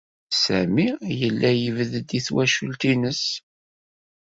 Sami yella yebded i twacult-nnes.